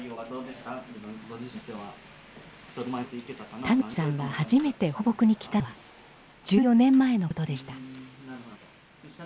田口さんが初めて「抱樸」に来たのは１４年前のことでした。